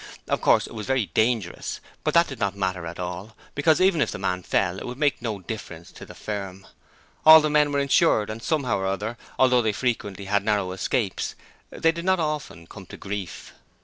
Of course it was very dangerous, but that did not matter at all, because even if the man fell it would make no difference to the firm all the men were insured and somehow or other, although they frequently had narrow escapes, they did not often come to grief.